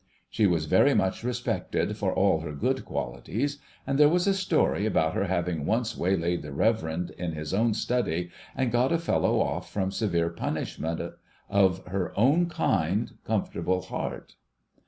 She was very much respected for all her good qualities, and there was a story about her having once waylaid the Reverend in his own study, and got a fellow off from severe punishment, of her own kind comfortable heart.